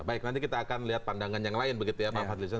baik nanti kita akan lihat pandangan yang lain begitu ya pak fadlizon